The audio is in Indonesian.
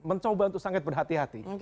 mencoba untuk sangat berhati hati